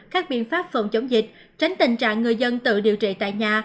các biện pháp phòng chống dịch tránh tình trạng người dân tự điều trị tại nhà